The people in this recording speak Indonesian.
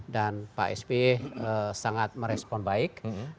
dan pak spy sangat merespon baik